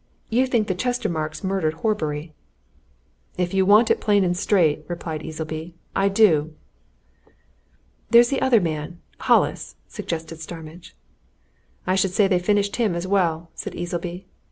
"You think the Chestermarkes murdered Horbury?" "If you want it plain and straight," replied Easleby, "I do!" "There's the other man Hollis," suggested Starmidge. "I should say they finished him as well," said Easleby.